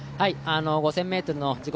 ５０００ｍの自己